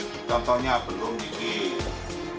contohnya belum dikir